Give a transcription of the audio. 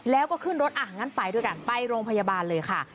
แล้วก็ขึ้นรถอ่ะงั้นไปด้วยกันไปโรงพยาบาลเลยค่ะ